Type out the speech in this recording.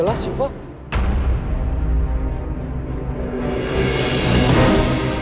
aku mau ke rumah